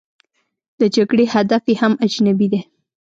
د جګړې هدف یې هم اجنبي دی.